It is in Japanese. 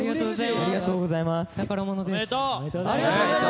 ありがとうございます。